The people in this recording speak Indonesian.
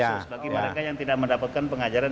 khusus bagi mereka yang tidak mendapatkan pengajaran